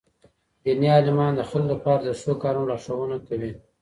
ديني عالمان د خلکو لپاره د ښو کارونو لارښوونه کوي.